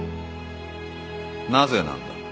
なぜなんだ？